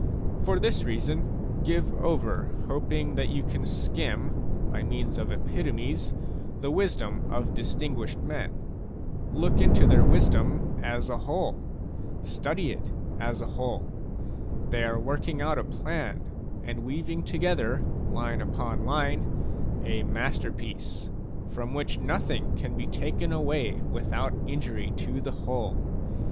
For this reason, give over hoping that you can skim, by means of epitomes», the wisdom of distin guished men. Look into their wisdom as a whole ; study it as a whole. They are working out a plan and weaving together, line upon line, a masterpiece, from w.hich nothing can be taken away without injury to the whole.